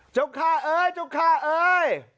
เจ้าค่าเอ๋ยเจ้าค่าเอ๋ย